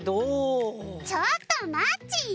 ・ちょっとまっち！